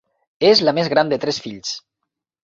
És la més gran de tres fills.